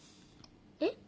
えっ？